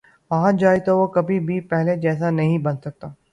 آ جائے تو وہ کبھی بھی پہلے جیسا نہیں بن سکتا